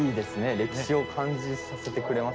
歴史を感じさせてくれますね。